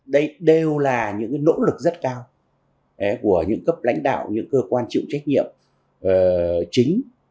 đây đều là những nỗ lực rất cao của những cấp lãnh đạo những cơ quan chịu trách nhiệm chính